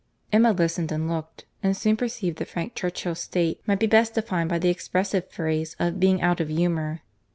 Emma listened, and looked, and soon perceived that Frank Churchill's state might be best defined by the expressive phrase of being out of humour.